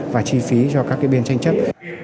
và chi phí cho các cái biên tranh chấp